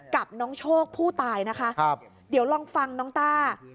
กับน้องโชคผู้ตายนะคะครับเดี๋ยวลองฟังน้องต้า